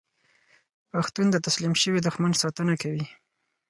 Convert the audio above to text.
پښتون د تسلیم شوي دښمن ساتنه کوي.